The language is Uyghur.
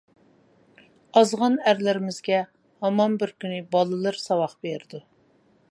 ئازغان ئەرلىرىمىزگە ھامان بىر كۈنى بالىلىرى ساۋاق بېرىدۇ.